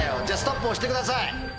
じゃストップ押してください。